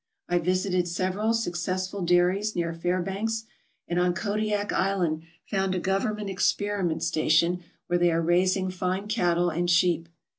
I visited several successful dairies near Fairbanks, and on Kodiak Island found a government experiment station where they are raising fine cattle and sheep.